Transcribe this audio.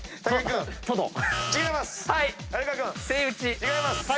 違います。